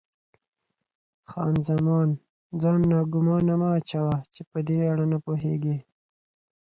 خان زمان: ځان ناګومانه مه اچوه، چې په دې اړه نه پوهېږې.